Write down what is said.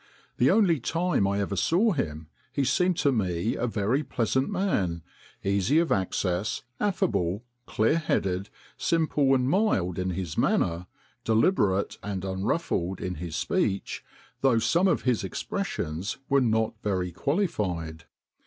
The only time I ever saw him he seemed to me a very pleasant man, easy of access, affable, clear headed, simple and mild in his manner, deliberate and unruffled in his speech, though some of his expressions were not very qualified.